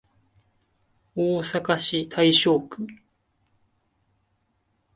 大阪市大正区